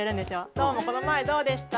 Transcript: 「どうもこの前どうでした？」